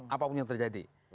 apapun yang terjadi